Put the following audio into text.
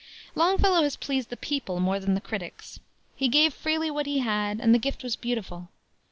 Longfellow has pleased the people more than the critics. He gave freely what he had, and the gift was beautiful.